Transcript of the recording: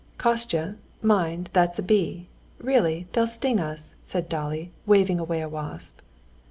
"Kostya, mind, that's a bee! Really, they'll sting us!" said Dolly, waving away a wasp.